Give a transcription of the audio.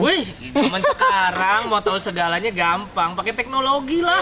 wih zaman sekarang mau tahu segalanya gampang pakai teknologi lah